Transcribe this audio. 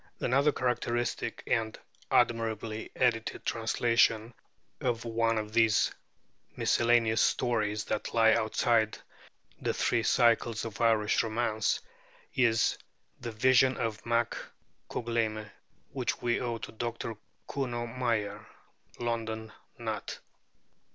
Another characteristic and admirably edited translation of one of these miscellaneous stories that lie outside the three cycles of Irish romance is 'The Vision of Mac Cougleime,' which we owe to Dr. Kuno Meyer (London: Nutt).